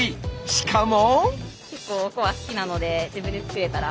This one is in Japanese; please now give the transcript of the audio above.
しかも。